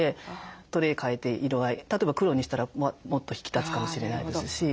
トレー替えて色合い例えば黒にしたらもっと引き立つかもしれないですし。